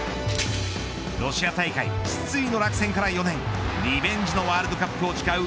ロシア大会失意の落選から４年リベンジのワールドカップを誓う